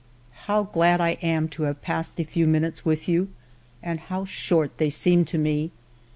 How glad I am to have passed a few minutes with you, and how short they seem to me